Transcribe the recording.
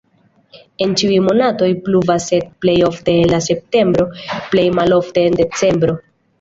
En ĉiuj monatoj pluvas, sed plej ofte en septembro, plej malofte en decembro.